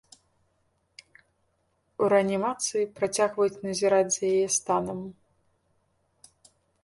У рэанімацыі працягваюць назіраць за яе станам.